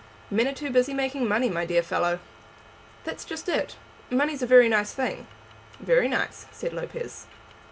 "Men are too busy making money, my dear fellow." "That's just it. Money's a very nice thing." "Very nice," said Lopez.